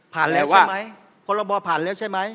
พอรบอผ่านแล้วใช่ไหม